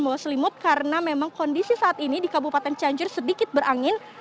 membawa selimut karena memang kondisi saat ini di kabupaten cianjur sedikit berangin